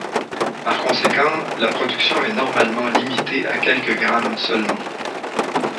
Par conséquent, la production est normalement limitée à quelques grammes seulement.